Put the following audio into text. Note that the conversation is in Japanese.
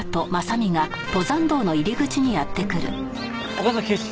岡崎警視！